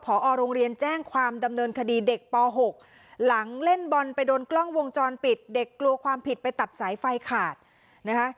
พอโรงเรียนแจ้งความดำเนินคดีเด็กป๖หลังเล่นบอลไปโดนกล้องวงจรปิดเด็กกลัวความผิดไปตัดสายไฟขาดนะคะ